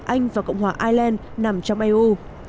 anh và cộng hòa ireland nằm trong eu